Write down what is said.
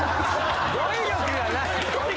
語彙力がない！